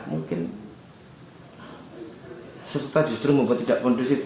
mungkin serta justru membuat tidak kondusif